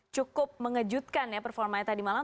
cukup mengejutkan ya performanya tadi malam